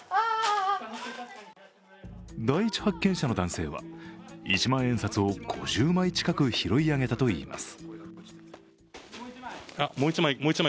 第一発見者の男性は一万円札を５０枚近く拾い上げたといいます。